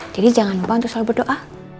jadi jangan lupa untuk selalu berdoa